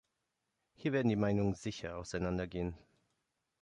Hier werden die Meinungen sicher auseinandergehen.